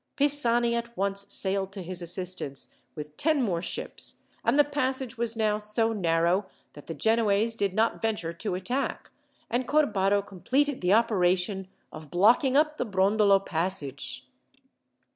Pisani at once sailed to his assistance, with ten more ships, and the passage was now so narrow that the Genoese did not venture to attack, and Corbaro completed the operation of blocking up the Brondolo passage.